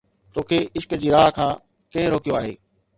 تو کي عشق جي راهه کان ڪنهن روڪيو آهي؟